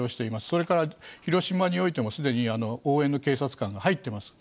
それから広島においても、すでに応援の警察官が入ってます。